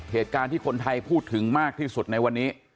เหตุการณ์ที่คนไทยพูดถึงมากที่สุดในวันนี้